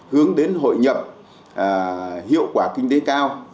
hướng đến hội nhập hiệu quả kinh tế cao